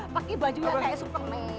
pakai bajunya kayak superman